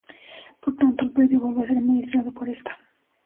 Por tanto el predio vuelve a ser administrado por esta.